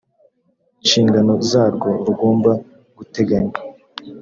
nshingano zarwo rugomba guteganya